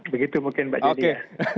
begitu mungkin mbak judi ya